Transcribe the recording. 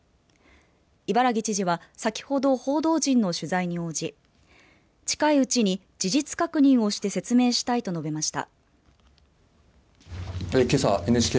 伊原木知事は先ほど報道陣の取材に応じ近いうちに事実確認をして説明したいと述べました。